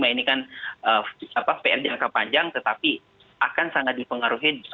ini kan pr jangka panjang tetapi akan sangat dipengaruhi